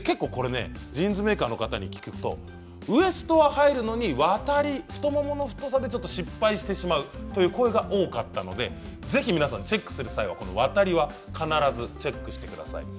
ジーンズメーカーの方に聞くとウエストは入るのにワタリ、太ももの太さで失敗してしまうという声が多かったのでぜひ皆さんチェックする際はワタリは必ずチェックしてください。